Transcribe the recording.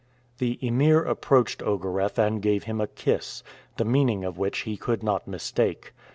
The Emir approached Ogareff and gave him a kiss, the meaning of which he could not mistake.